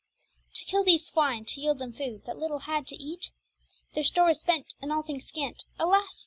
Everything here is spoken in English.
To kill these swyne, to yeild them foode that little had to eate, Their store was spent, and all things scant, alas!